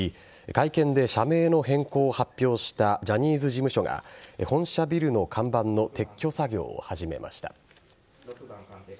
会見で社名の変更を発表したジャニーズ事務所が本社ビルの看板の撤去作業を始めました。